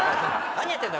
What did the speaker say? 何やってんだ？